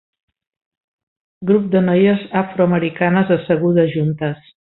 Grup de noies afroamericanes assegudes juntes.